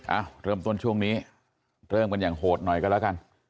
เอ้าเริ่มต้นช่วงนี้เริ่มกันอย่างโหดหน่อยก็แล้วกัน